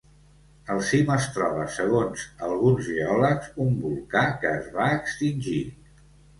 Al cim es troba, segons alguns geòlegs, un volcà que es va extingir.